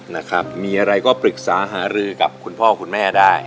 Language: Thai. นะครับมีอะไรก็ปรึกษาหารือกับคุณพ่อคุณแม่ได้